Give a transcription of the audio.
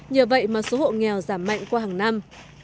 nhờ vậy mà số hộ nghèo giảm mạnh qua hàng năm